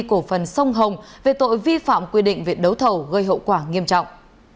cổ phần sông hồng về tội vi phạm quy định viện đấu thầu gây hậu quả nghiêm trọng